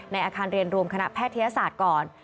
อาคารเรียนรวมคณะแพทยศาสตร์ก่อน